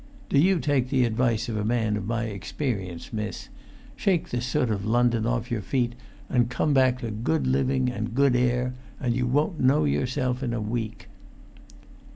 Do you take the advice of a man of my experience, miss: shake the soot of London off your feet, and come you back to good living and good air, and you won't know yourself in a week."